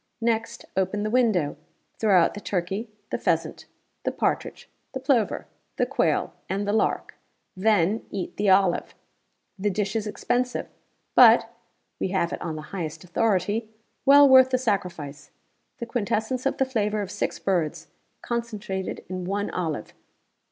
Next, open the window. Throw out the turkey, the pheasant, the partridge, the plover, the quail, and the lark. Then, eat the olive. The dish is expensive, but (we have it on the highest authority) well worth the sacrifice. The quintessence of the flavor of six birds, concentrated in one olive.